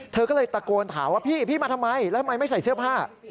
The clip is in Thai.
เธอก็เลยตะโกนถามว่าพี่พี่มาทำไมแล้วทำไมไม่ใส่เสื้อผ้า